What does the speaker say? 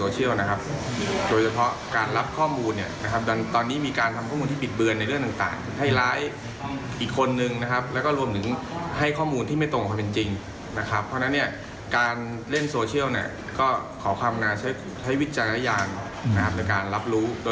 จึงคืออาณาจริงตามมีข่าวปลอมที่ก็เยอะนะครับ